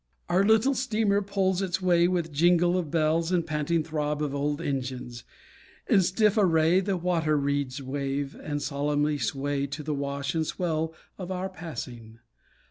Our little steamer pulls its way With jingle of bells and panting throb Of old engines. In stiff array The water reeds wave, And solemnly sway To the wash and swell of our passing.